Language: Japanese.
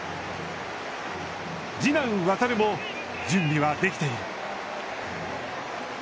次男・航も準備はできている。